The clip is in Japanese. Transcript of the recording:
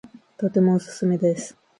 とてもおすすめです